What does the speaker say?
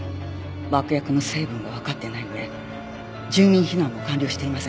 爆薬の成分がわかってない上住民避難も完了していません。